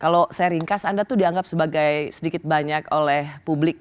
kalau saya ringkas anda tuh dianggap sebagai sedikit banyak oleh publik